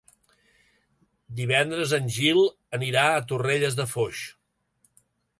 Divendres en Gil anirà a Torrelles de Foix.